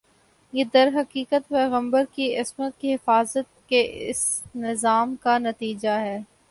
یہ درحقیقت پیغمبر کی عصمت کی حفاظت کے اس نظام کا نتیجہ ہے